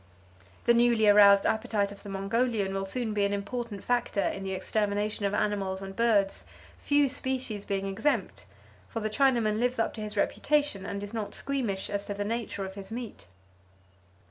The newly aroused appetite of the Mongolian will soon be an important factor in the extermination of animals and birds, few species being exempt, for the Chinaman lives up to his reputation and is not squeamish as to the nature of his meat.